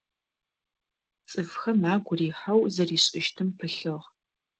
Цӏыфхэм агу рихьэу зэришӏыщтым пылъыгъ.